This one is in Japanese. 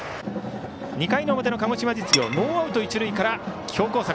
２回の表の鹿児島実業ノーアウト、一塁から強攻策。